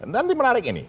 nanti menarik ini